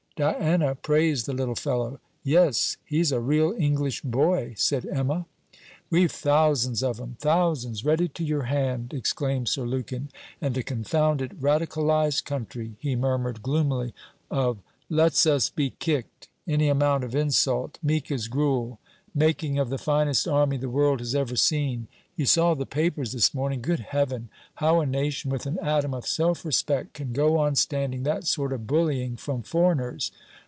Diana praised the little fellow. 'Yes, he's a real English boy,' said Emma. 'We 've thousands of 'em, thousands, ready to your hand,' exclaimed Sir Lukin, 'and a confounded Radicalized country...' he murmured gloomily of 'lets us be kicked!... any amount of insult, meek as gruel!... making of the finest army the world has ever seen! You saw the papers this morning? Good heaven! how a nation with an atom of self respect can go on standing that sort of bullying from foreigners!